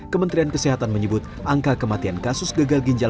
kementerian kesehatan menyebut angka kematian kasus gagal ginjal